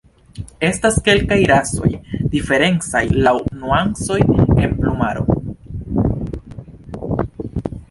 Estas kelkaj rasoj diferencaj laŭ nuancoj en plumaro.